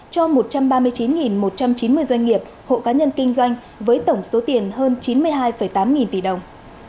cho một trăm ba mươi chín một trăm chín mươi doanh nghiệp hộ cá nhân kinh doanh với tổng số tiền hơn chín mươi hai tám nghìn tỷ đồng